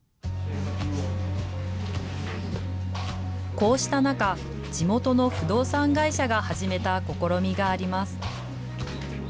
こうした中、地元の不動産会社が始めた試みがあります。